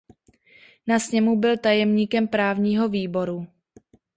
Na sněmu byl tajemníkem právního výboru.